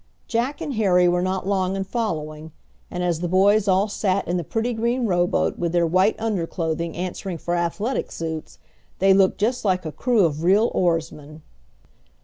Jack and Harry were not long in following, and as the boys all sat in the pretty green rowboat with their white under clothing answering for athletic suits, they looked just like a crew of real oarsmen.